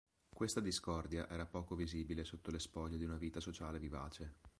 Questa discordia era poco visibile sotto le spoglie di una vita sociale vivace.